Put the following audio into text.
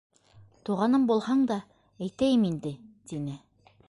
Туғаным булһаң да, әйтәйем инде, тине.